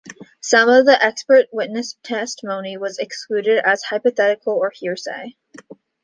Some of the expert witness testimony was excluded as hypothetical or hearsay.